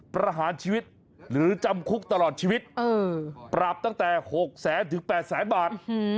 ประหารชีวิตหรือจำคุกตลอดชีวิตปรับตั้งแต่๖แสนถึง๘แสนบาท